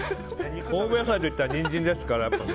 神戸野菜といったらニンジンですから。